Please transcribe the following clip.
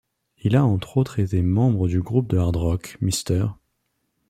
Il a entre autres été membre du groupe de hard rock Mr.